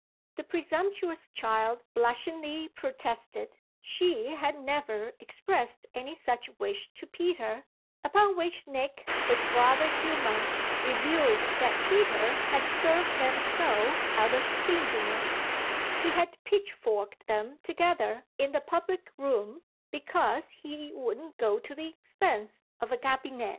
The presumptuous child blushingly protested she had never expressed any such wish to Peter, upon which Nick, with broader humour, revealed that Peter had served them so out of stinginess: he had pitchforked them together in the public room because he wouldn't go to the expense of a cabinet.